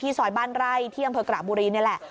ที่สอยบ้านไล่เที่ยงอเภอกราปบุรินเนี่ยแหละ